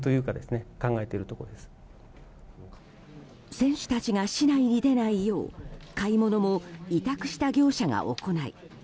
選手たちが市内に出ないよう買い物も委託した業者が行い